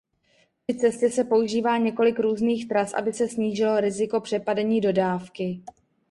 Při cestě se používá několik různých tras aby se snížilo riziko přepadení dodávky.